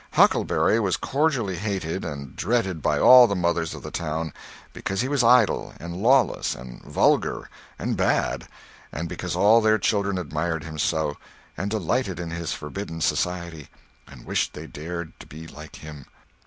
Huckleberry was cordially hated and dreaded by all the mothers of the town, because he was idle and lawless and vulgar and bad—and because all their children admired him so, and delighted in his forbidden society, and wished they dared to be like him.